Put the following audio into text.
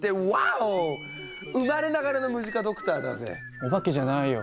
おばけじゃないよ。